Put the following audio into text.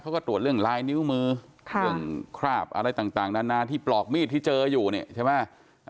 เขาก็ตรวจเรื่องลายนิ้วมือเรื่องคราบอะไรต่างนานาที่ปลอกมีดที่เจออยู่เนี่ยใช่ไหม